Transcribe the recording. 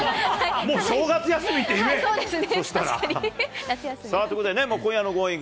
もう正月休みって言え、そしたら。ということでね、今夜のＧｏｉｎｇ！